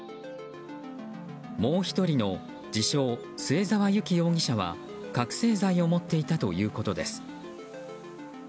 もう１人の自称・末沢有希容疑者は覚醒剤を持っていたということです。